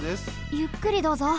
ゆっくりどうぞ。